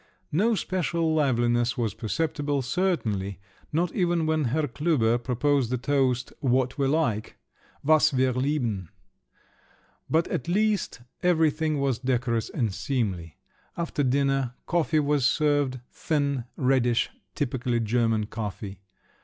No special liveliness was perceptible, certainly; not even when Herr Klüber proposed the toast "What we like!" (Was wir lieben!) But at least everything was decorous and seemly. After dinner, coffee was served, thin, reddish, typically German coffee.